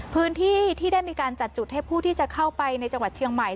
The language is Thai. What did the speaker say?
พื้นที่ที่ได้มีการจัดจุดให้ผู้ที่จะเข้าไปในจังหวัดเชียงใหม่